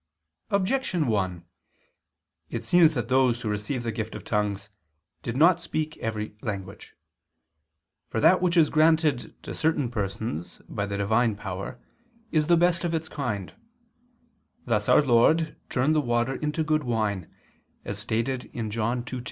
Objection 1: It seems that those who received the gift of tongues did not speak in every language. For that which is granted to certain persons by the divine power is the best of its kind: thus our Lord turned the water into good wine, as stated in John 2:10.